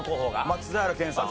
松平健さん。